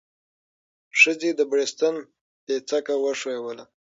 ښځې د بړستن پيڅکه وښويوله.